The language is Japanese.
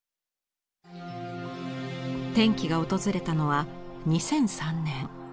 転機が訪れたのは２００３年。